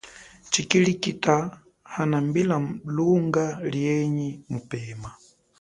Tshikilikita hanambila lunga lienyi mupema.